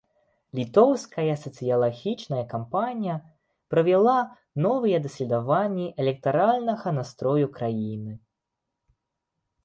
Літоўская сацыялагічная кампанія правяла новыя даследаванні электаральнага настрою краіны.